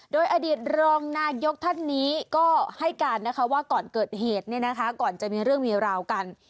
โดยอดีตรองนายกท่านนี้ก็ให้การนะคะว่าก่อนเกิดเหตุก่อนจะมีเรื่องมีราวกัน